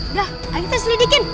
udah ayo kita selidikin